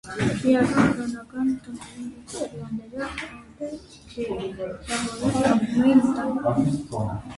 Հրեական կրոնական տոներն ու պատվիրաններն անվերապահորեն պահպանվում էին ընտանիքում։